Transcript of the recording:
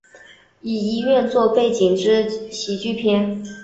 以医院作为背景之喜剧片。